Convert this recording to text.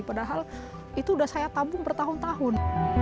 padahal itu sudah saya tabung bertahun tahun